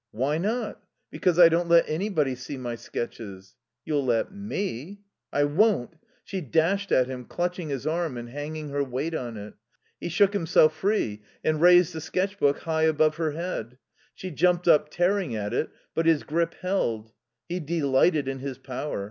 "Why not?" "Because I don't let anybody see my sketches." "You'll let me." "I won't!" She dashed at him, clutching his arm and hanging her weight on it. He shook himself free and raised the sketch book high above her head. She jumped up, tearing at it, but his grip held. He delighted in his power.